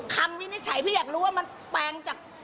วินิจฉัยพี่อยากรู้ว่ามันแปลงจาก